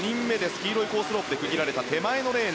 黄色いコースレープで区切られた手前のコース